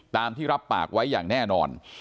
ตามที่รับปากไว้อย่างแน่นอน